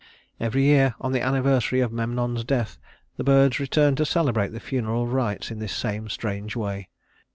Every year, on the anniversary of Memnon's death, the birds returned to celebrate the funeral rites in this same strange way.